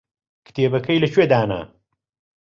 کتێبەکەی لەکوێ دانا؟